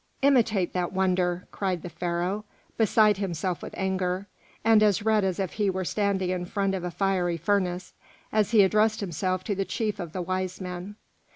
"Imitate that wonder!" cried the Pharaoh, beside himself with anger, and as red as if he were standing in front of a fiery furnace, as he addressed himself to the chief of the wise men.